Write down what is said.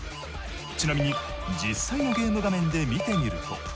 ちなみに実際のゲーム画面で見てみると。